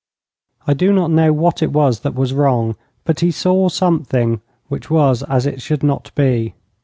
I do not know what it was that was wrong, but he saw something which was as it should not be.